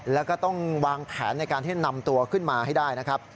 แล้วก็ต้องวางแผนในการที่นำตัวขึ้นมาให้ได้นะครับ